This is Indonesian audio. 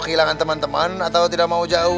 kehilangan temen temen atau tidak mau jauh